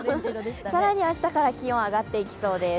更に明日から気温上がっていきそうです。